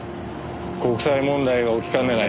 国際問題が起きかねない